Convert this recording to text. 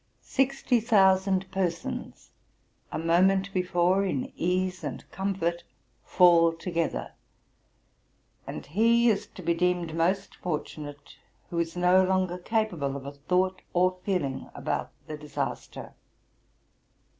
Sixty thousand persons, a moment before in ease and comfort, fall together; and he is to be deemed most fortunate who is no longer capable of a thought or feeling about the disaster.